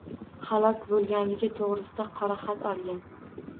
Halok boʻlganligi toʻgʻrisida “qoraxat” olgan